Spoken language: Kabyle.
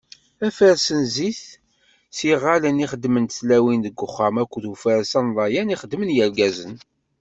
Afares n zzit s yiγallen i xeddment-t tlawin deg uxxam akked ufares anḍayan i xeddmen yirgazen.